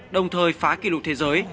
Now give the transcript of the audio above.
đồng thời phá kỷ lục thế giới